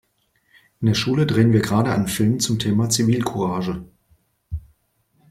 In der Schule drehen wir gerade einen Film zum Thema Zivilcourage.